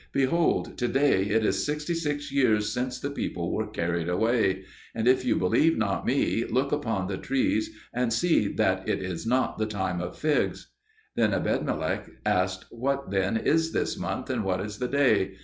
Behold, to day it is sixty and six years since the people were carried away. And, if you believe not me, look upon the trees and see that it is not the time of figs." Then Ebedmelech asked, "What then is this month, and what is the day?"